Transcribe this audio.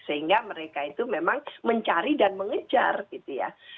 sehingga mereka itu memang mencari dan mengejar gitu ya